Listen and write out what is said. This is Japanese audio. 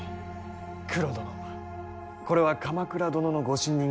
九郎殿これは鎌倉殿のご信任が厚い証し。